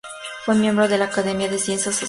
Fue miembro de la Academia de Ciencias Sociales.